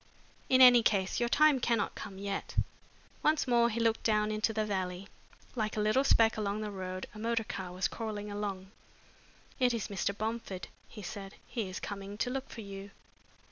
"In any case, your time cannot come yet." Once more he looked downward into the valley. Like a little speck along the road a motor car was crawling along. "It is Mr. Bomford," he said. "He is coming to look for you."